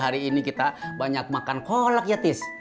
hari ini kita banyak makan kolak ya tis